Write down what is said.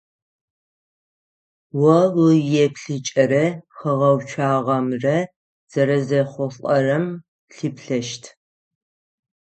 О уиепъыкӏэрэ хэгъэуцуагъэмрэ зэрэзэхъулӏэрэм лъыплъэщт.